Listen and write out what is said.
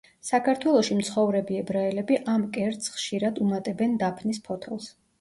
საქართველოში მცხოვრები ებრაელები ამ კერძს ხშირად უმატებენ დაფნის ფოთოლს.